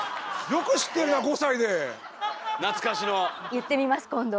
言ってみます今度。